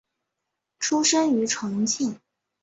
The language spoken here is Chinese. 出生于重庆。